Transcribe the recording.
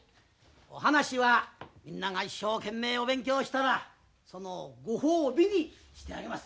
お話はみんなが一生懸命お勉強したらそのご褒美にしてあげます。